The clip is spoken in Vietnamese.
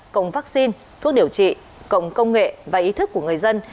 cộng vaccine thuốc điều trị cộng công nghệ và ý thức của người dân